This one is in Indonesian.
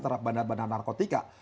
terhadap bandar bandar narkotika